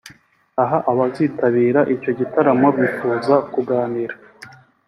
Aha abazitabira icyo gitaramo bifuza kuganira